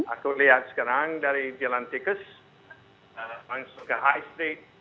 aku lihat sekarang dari jalan tikus langsung ke high state